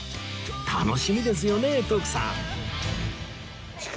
楽しみですよね徳さん